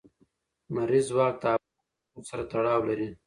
لمریز ځواک د افغان کلتور سره تړاو لري.